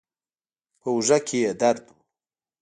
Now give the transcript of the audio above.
پر اوږه کې يې درد و.